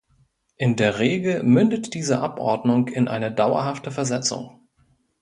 In der Regel mündet diese Abordnung in eine dauerhafte Versetzung.